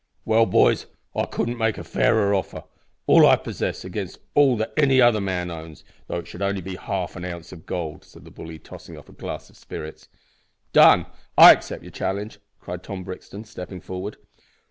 "Well, boys, I couldn't make a fairer offer all I possess against all that any other man owns, though it should only be half an ounce of gold," said the bully, tossing off a glass of spirits. "Done! I accept your challenge," cried Tom Brixton, stepping forward.